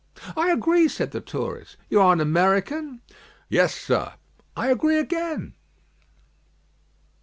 "I agree," said the tourist. "You are an American?" "Yes, sir." "I agree again."